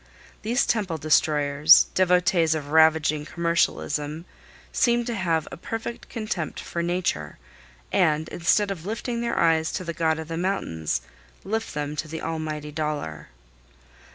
These temple destroyers, devotees of ravaging commercialism, seem to have a perfect contempt for Nature, and, instead of lifting their eyes to the God of the mountains, lift them to the Almighty Dollar.